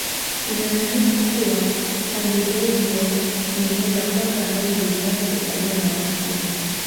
Inaaminika kuwa Handebezyo ni eneo la kwanza ambalo lilianza kukaliwa na watu